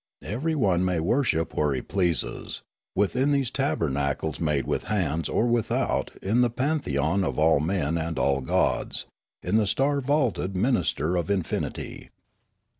Everyone may worship where he pleases, within these tabernacles made with hands or without in the pantheon of all men and all gods, in the star vaulted minster of infinity."